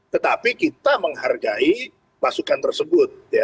tetapi kita menghargai pasukan tersebut